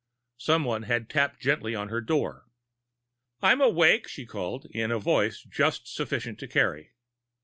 Someone had tapped gently on her door. "I am awake," she called, in a voice just sufficient to carry.